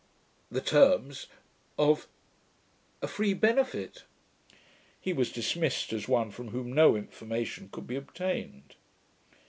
the terms...of ...a FREE BENEFIT.' He was dismissed as one from whom no information could be obtained.